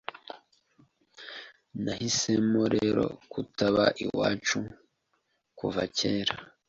Nahisemo rero kutaba iwacu kuva kera